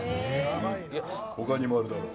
他にもあるだろう？